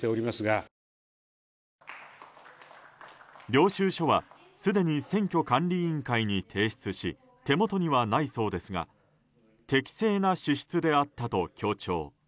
領収書はすでに選挙管理委員会に提出し手元にはないそうですが適正な支出であったと強調。